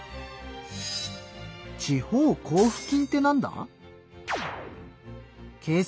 地方交付金ってなんだ？